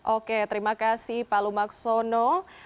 oke terima kasih pak lumaksono